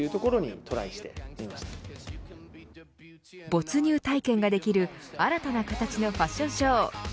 没入体験ができる新たな形のファッションショー。